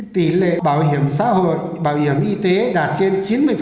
tỷ lệ bảo hiểm xã hội bảo hiểm y tế đạt trên chín mươi